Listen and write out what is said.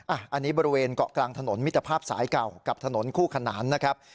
อันนี้บริเวณเกาะกลางถนนมิตรภาพสายเก่ากับถนนคู่ขนานนะครับ